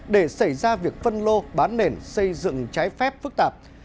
để xảy ra việc phân lô bán nền xây dựng trái phép phức tạp